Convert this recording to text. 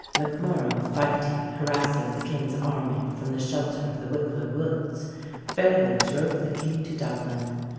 MacMorrough, fighting, harassing the king's army from the shelter of the Wicklow woods, fairly drove the king to Dublin.